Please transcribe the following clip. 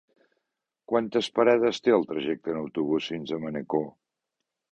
Quantes parades té el trajecte en autobús fins a Manacor?